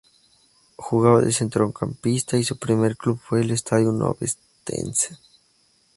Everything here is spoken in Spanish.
Jugaba de centrocampista y su primer club fue el Stadium Ovetense.